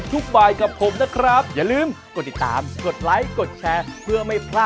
สวัสดีค่ะ